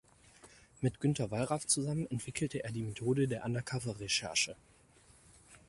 Mit Günter Wallraff zusammen entwickelte er die Methode der Undercover-Recherche.